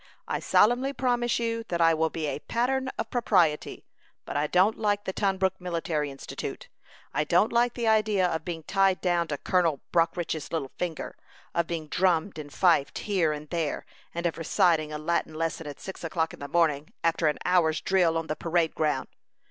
I solemnly promise you that I will be a pattern of propriety; but I don't like the Tunbrook Military Institute. I don't like the idea of being tied down to Colonel Brockridge's little finger; of being drummed and fifed here and there; and of reciting a Latin lesson at six o'clock in the morning, after an hour's drill on the parade ground.